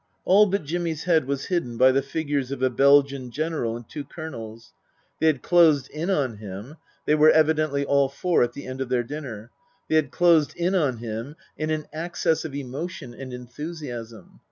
All but Jimmy's head was hidden by the figures of a Belgian General and two Colonels. They had closed in on him (they were evidently all four at the end of their dinner) ; they had closed in on him in an access of emotion and enthusiasm.